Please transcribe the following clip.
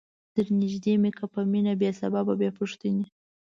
در نیژدې می که په مینه بې سببه بې پوښتنی